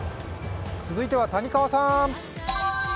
続いては谷川さん。